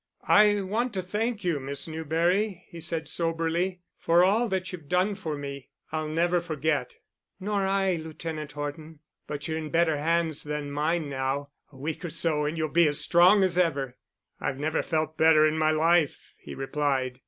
"I want to thank you, Miss Newberry," he said soberly, "for all that you've done for me. I'll never forget." "Nor I, Lieutenant Horton. But you're in better hands than mine now. A week or so and you'll be as strong as ever." "I've never felt better in my life," he replied.